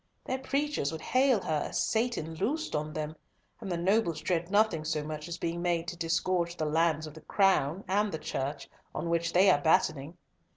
Their preachers would hail her as Satan loosed on them, and the nobles dread nothing so much as being made to disgorge the lands of the Crown and the Church, on which they are battening.